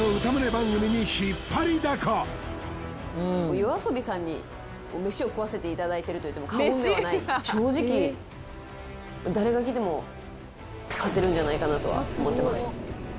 番組にひっぱりだこＹＯＡＳＯＢＩさんに飯を食わせていただいてるといっても過言ではない勝てるんじゃないかなとは思ってます